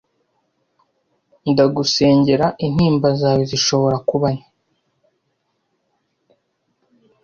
Ndagusengera intimba zawe zishobora kuba nke